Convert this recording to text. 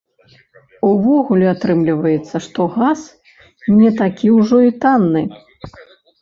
Увогуле, атрымліваецца, што газ не такі ўжо і танны.